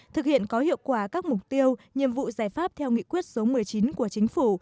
thực hiện có hiệu quả các mục tiêu nhiệm vụ giải pháp theo nghị quyết số một mươi chín của chính phủ